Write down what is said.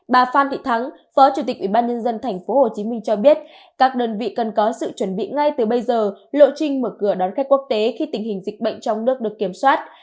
bà phan thị thắng phó chủ tịch ủy ban nhân dân thành phố hồ chí minh cho biết các đơn vị cần có sự chuẩn bị ngay từ bây giờ lộ trình mở cửa đón khách quốc tế khi tình hình dịch bệnh trong nước được kiểm soát